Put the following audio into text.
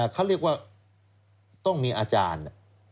เขาเรียกว่าต้องมีอาจารย์